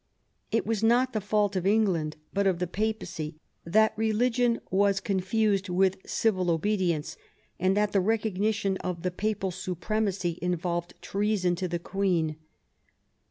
It was not the fault of England, but of the Papacy, that religion was confused with civil obedience and that the recognition of the Papal supremacy involved treason to the Queen.